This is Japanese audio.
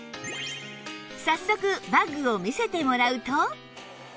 早速バッグを見せてもらうと